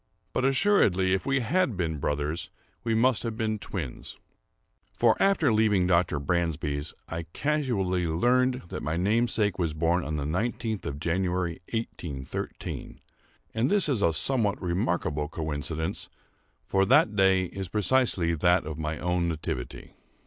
But assuredly if we had been brothers we must have been twins; for, after leaving Dr. Bransby's, I casually learned that my namesake was born on the nineteenth of January, 1813—and this is a somewhat remarkable coincidence; for the day is precisely that of my own nativity.